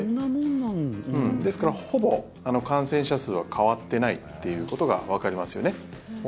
ですから、ほぼ感染者数は変わっていないということがわかりますよね。